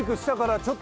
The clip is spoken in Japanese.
ちょっと！